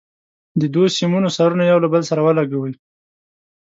د دوو سیمونو سرونه یو له بل سره ولګوئ.